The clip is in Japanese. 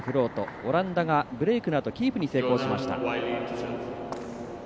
オランダがブレークのあとキープに成功しました。